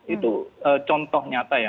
itu contoh nyata ya